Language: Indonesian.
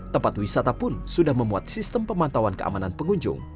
tempat wisata pun sudah memuat sistem pemantauan keamanan pengunjung